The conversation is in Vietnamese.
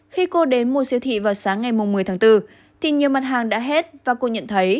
khi cô đến mua siêu thị vào sáng ngày một mươi tháng bốn thì nhiều mặt hàng đã hết và cô nhận thấy